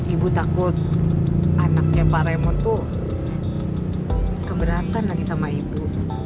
ibu takut anaknya pak remo tuh keberatan lagi sama ibu